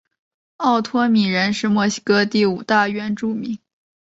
奥托米人是墨西哥第五大原住民。